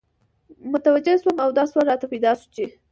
متوجه سوم او دا سوال راته پیدا سو چی